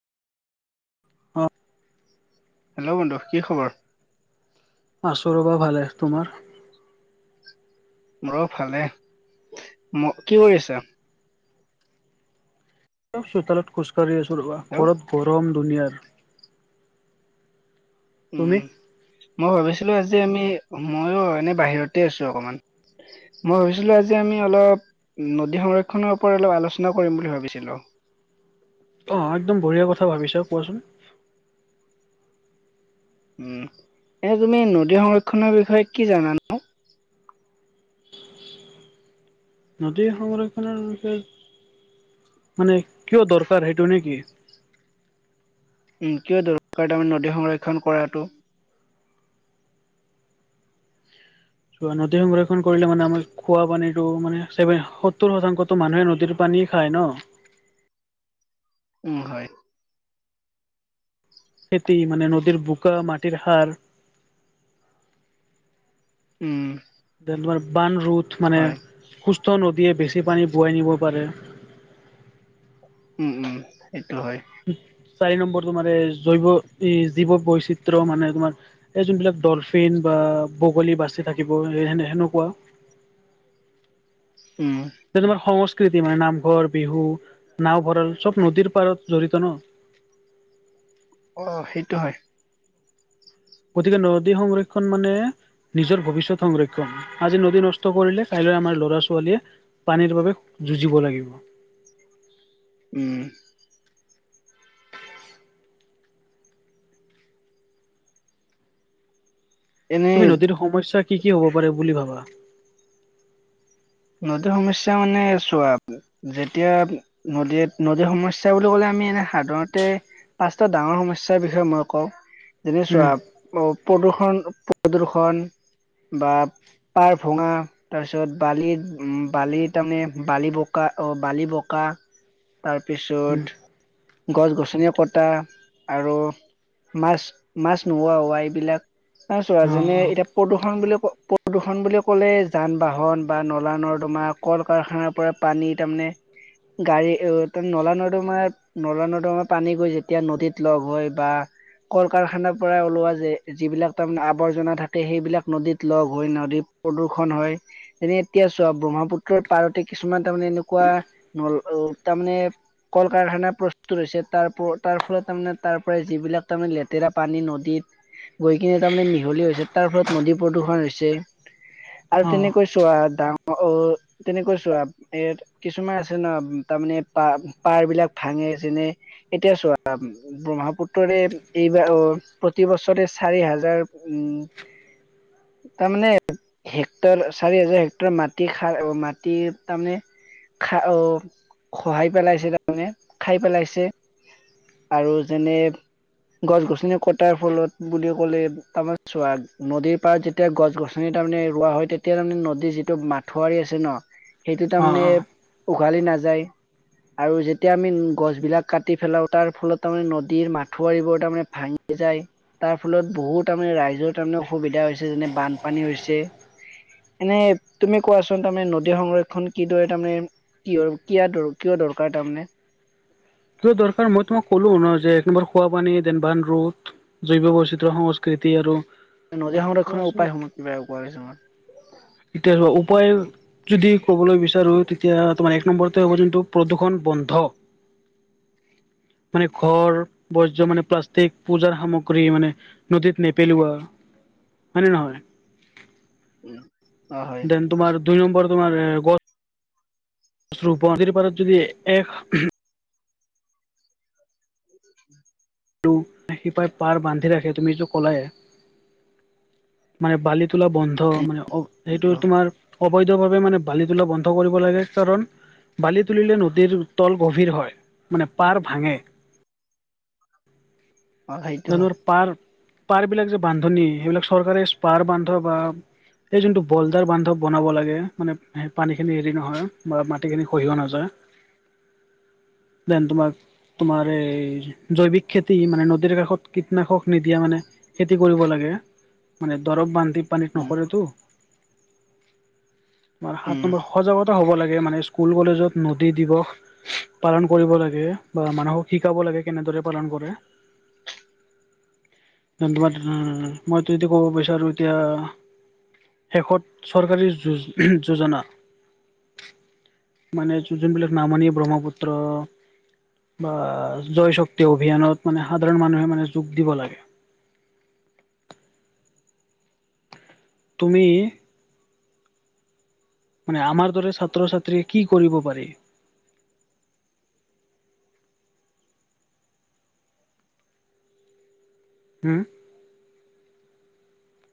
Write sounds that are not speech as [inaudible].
অঁ। হেল্ল' বন্ধু কি খবৰ? আছোঁ ৰ'বা ভালে। তোমাৰ? মোৰ ভালে। ম কি কৰি আছা? চোতালত খোজকাঢ়ি আছোঁ ৰ'বা, হেল্ল' ঘৰত গৰম দুনীয়াৰ। উম, তুমি মই ভাবিছিলোঁ আজি আমি, মইও এনে বাহিৰতে আছোঁ অকমান! মই ভাবিছিলোঁ আজি আমি অলপ নদী সংৰক্ষণৰ ওপৰত অলপ আলোচনা কৰিম বুলি ভাবিছিলোঁ। অ', একদম বঢ়িয়া কথা ভাবিছা, কোৱাচোন? উম, এনে তুমি নদী সংৰক্ষণৰ বিষয়ে কি জানানো? নদী সংৰক্ষণৰ বিষয়ে মানে কিয় দৰকাৰ সেইটো নেকি? উম, কিয় দৰকাৰ তাৰমানে নদী সংৰক্ষণ কৰাটো? চোৱা, নদী সংৰক্ষণ কৰিলে মানে আমাৰ খোৱা পানীটো মানে চেভেন সত্তৰ শতাংশতো মানুহে নদীৰ পানী খাই ন? উম, হয়। খেতি মানে নদীৰ বোকা মাটিৰ সাৰ- উম। যে তোমাৰ বান ৰোধ, মানে হয় সুস্থ নদীয়ে বেছি পানী বোৱাই নিব পাৰে। উম, উম সেইটো হয়। চাৰি নম্বৰটো মানে জৈৱ জীৱ বৈচিত্ৰ্য। মানে তোমাৰ এই যোনবিলাক ডলফিন বা বগলী বাচি থাকিব সেনে সেনেকুৱা। উম। যে তোমাৰ সংস্কৃতি মানে নামঘৰ বিহু নাও ভঁৰাল চব নদীৰ পাৰত জড়িত ন'। অ' সেইটো হয়। গতিকে নদী সংৰক্ষণ মানে নিজৰ ভৱিষ্যত সংৰক্ষণ, আজি নদী নষ্ট কৰিলে কাইলৈ আমাৰ লৰা ছোৱালীয়ে পানীৰ বাবে যুঁজিব লাগিব। উম। [unintelligible] তুমি এনেই নদীৰ সমস্যা কি কি হ'ব পাৰে বুলি ভাবা? নদীৰ সমস্যা মানে চোৱা যেতিয়া নদীয়ে, নদীৰ সমস্যা বুলি ক'লে আমি এনে সাধাৰণতে পাঁচটা ডাঙৰ সমস্যাৰ বিষয়ে মই কওঁ। যেনে উম চোৱা প্ৰদূষণ, প্ৰদূৰষণ। বা পাৰ ভঙা, তাৰপিছত বালিত উম বালি তাৰমানে বালি বোকা, অ' বালি বোকা। উম তাৰপিছত গছ গছনি কটা আৰু মাছ, মাছ নোহোৱা হোৱা এইবিলাক। আৰু চোৱা অ যেনে এতিয়া প্ৰদূষণ বুলি ক'লে প্ৰদূষণ বুলি ক'লে যান বাহন বা ন নলা নৰ্দমা, কল কাৰখানাৰ পৰা পানী তাৰমানে গাড়ী [unintelligible] নলা নৰ্দমা নলা নৰ্দমাৰ পানী গৈ যেতিয়া নদীত লগ হৈ বা কল কাৰখানাৰ পৰা ওলোৱা যে যিবিলাক তাৰমানে আৱৰ্জনা থাকে, সেইবিলাক নদীত লগ হৈ নদীত প্ৰদূষণ হয়। [unintelligible] এতিয়া চোৱা ব্ৰহ্মপুত্ৰৰ পাৰতে কিছুমান তাৰমানে এনেকুৱা নল- তাৰমানে কল কাৰখানা প্ৰস্তুত হৈছে তাৰপৰ তাৰ ফলত তাৰমানে তাৰ পৰা যিবিলাক তাৰে লেতেৰা পানী নদীত গৈ কিনে তাৰমানে মিহলি হৈছে তাৰ ফলত নদী প্ৰদূষণ হৈছে। আৰু অ অ তেনেকৈ চোৱা ডাঙৰ- তেনেকৈ চোৱা এ [unintelligible] কিছুমান আছে ন তাৰমানে পা, পাৰ বিলাক ভাঙে যেনে এতিয়া চোৱা ব্ৰহ্মপুত্ৰৰে এইবাৰ, প্ৰতি বছৰে চাৰি হাজাৰ উম তাৰমানে হেক্টৰ, চাৰি হাজাৰ হেক্ট টৰ মাটি খাৰ মাটি তাৰমানে খা অ' খহাই পেলাইছে তাৰমানে খাই পেলাইছে। আৰু যেনে গছ গছনি কটাৰ ফলত বুলি ক'লে তাৰমানে চোৱা নদীৰ পাৰ যেত তিয়া গছ গছনি তাৰমানে ৰোৱা হয় তেতিয়া তাৰমানে নদী যি টো মাথাউৰি আছে ন' সেইটো অ তাৰমানে অ উঘালি নাযায়। আৰু যেতিয়া আমি গছ বিলাক কাটি পেলাও তাৰ ফলত তাৰমানে নদীৰ মাথাউৰিবোৰ তাৰমানে ভাঙি যায়, তাৰ ফলত বহুত তাৰমানে ৰাইজৰ তাৰমানে অসুবিধা হৈছে যেনে বানপানী হৈছে। এনে তুমি কোৱাচোন তাৰমানে নদীৰ সংৰক্ষণ কিদৰে তাৰমানে কিহৰ কিয়া, কিয় দৰকাৰ তাৰমানে? কিয় দৰকাৰ মই তোমাক ক'লো ন' যে একনম্বৰ খোৱা পানী দেন বান ৰোধ। জৈৱ বৈচিত্ৰ সংস্কৃতি আৰু নদীৰ সংৰক্ষণৰ উপায় সমূহ কিবা [unintelligible] এতিয়া চোৱা উপায় যদি ক'বলৈ বিচাৰো তেতিয়া তোমাৰ এক নম্বৰতে হ'ব যোনটো প্ৰদূষণ বন্ধ। মানে ঘৰ বৰ্জ মানে প্লাষ্টিক পূজাৰ সামগ্ৰী মানে নদীত নেপেলোৱা। হয়নে নহয়? উম। দেন তোমাৰ দুই নম্বৰ তোমাৰ গছ গছ ৰুপন নদীৰ পাৰত যদি এক তো সিপাই পাৰ বান্ধি ৰাখে তুমিটো কলাই মানে বালি তোলা বন্ধ মানে অ। এইটো উম তোমাৰ অবৈধভাৱে মানে বালি তোলা বন্ধ কৰিব লাগে কাৰণ বালি তুলিলে নদীৰ তল গভীৰ হয় মানে পাৰ ভাঙে অ সেইটো হয় জানৰ পাৰ পাৰ বিলাক যে বান্ধ নি সেইবিলাক চৰকাৰে পাৰ বান্ধ বা এইেই যোনটো বলডাৰ বান্ধৱ বনাব লাগে মানে সেই পানীখিনি হেৰি নহয় বা মাটিখিনি খহিও নাযায় দন তোমাক তোমাৰ এই জৈৱিক খেতি মানে নদীৰ কাষ কীটনাশক নিদিয়া মানে খেতি কৰিব লাগে মানে দৰপ বান্ধি পানীত উম নপৰেতো মাৰ সাত উম নম্বৰ সজাগতা হ'ব লাগে মানে স্কুল কলেজত নদী দিৱস পালন কৰিব লাগে বা মানুহক শিকাব লাগে কেনেদৰে পালন কৰে মই যদি এয়া ক'ব বিচাৰো এতিয়া শেষত চৰকাৰী যোজ যোজনা মানে যোনবিলাক নামনি ব্ৰহ্মপুত্ৰ বা জয় শক্তি অভিযানত মানে সাধাৰণ মানুহে মানে যোগ দিব লাগে তুমি মানে আমাৰ দৰে ছাত্ৰ ছাত্ৰীয়ে কি কৰিব পাৰি হম